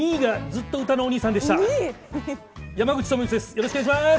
よろしくお願いします！